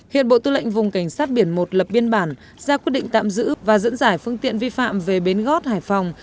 hiện bộ tư lệnh vùng cảnh sát biển một lập biên bản ra quyết định tạm giữ và dẫn giải phương tiện vi phạm về bến gót hải phòng